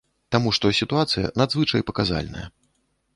Таму што сітуацыя надзвычай паказальная.